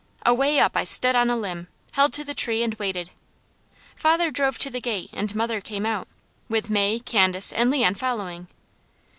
Away up I stood on a limb, held to the tree and waited. Father drove to the gate, and mother came out, with May, Candace, and Leon following.